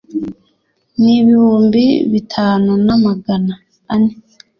n ibihumbi bitanu na magana ane